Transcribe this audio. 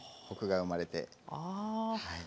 コクが生まれて。